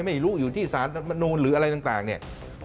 ไม่รู้อยู่ที่ศาลนูนหรืออะไรต่างเนี่ย